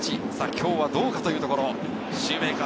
今日はどうかというところ。